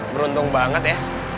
beruntung banget ya